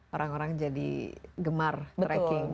orang orang jadi gemar tracking